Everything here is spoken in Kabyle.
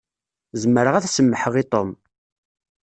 Zemreɣ ad semmḥeɣ i Tom.